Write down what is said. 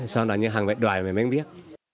sau đó nhân hàng vệ đoài mình mới biết